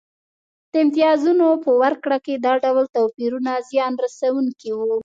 د امتیازونو په ورکړه کې دا ډول توپیرونه زیان رسونکي وو